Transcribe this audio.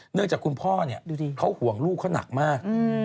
เนื่องจากคุณพ่อเนี่ยเขาห่วงลูกเขาหนักมาก